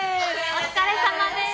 お疲れさまです。